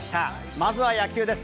まずは野球です。